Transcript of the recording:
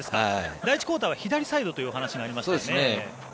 第１クオーターは左サイドという話がありましたね。